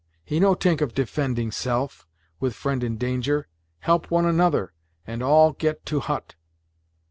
He no t'ink of defending 'self, with friend in danger. Help one another, and all get to hut."